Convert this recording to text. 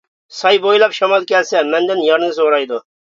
ساي بويلاپ شامال كەلسە، مەندىن يارنى سورايدۇ.